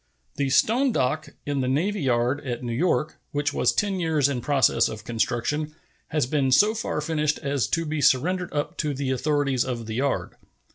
The stone dock in the navy yard at New York, which was ten years in process of construction, has been so far finished as to be surrendered up to the authorities of the yard.